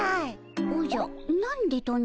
おじゃ「何で」とな？